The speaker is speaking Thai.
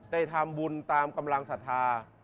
ได้ทำบุญตามกำลังศรัทธา